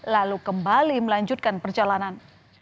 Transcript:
lalu kembali melanjutkan perjalanan